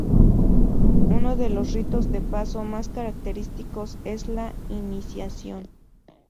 Uno de los ritos de paso más característicos es la iniciación.